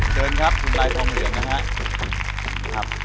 เชิญครับคุณลายทองเหรียญนะฮะ